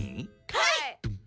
はい！